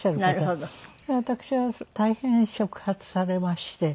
私は大変触発されまして。